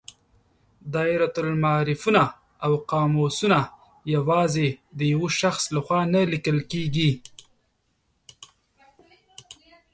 دایرة المعارفونه او قاموسونه یوازې د یو شخص له خوا نه لیکل کیږي.